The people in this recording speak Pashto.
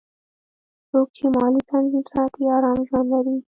څوک چې مالي نظم ساتي، آرام ژوند لري.